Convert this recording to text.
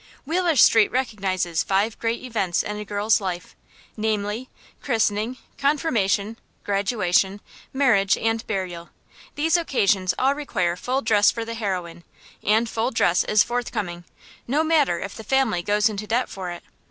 Wheeler Street recognizes five great events in a girl's life: namely, christening, confirmation, graduation, marriage, and burial. These occasions all require full dress for the heroine, and full dress is forthcoming, no matter if the family goes into debt for it.